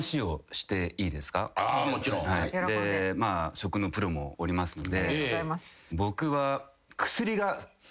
食のプロもおりますので僕は。